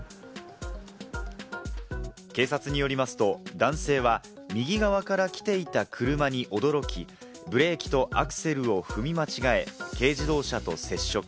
警察によりますと男性は右側から来ていた車に驚き、ブレーキとアクセルを踏み間違え、軽自動車と接触。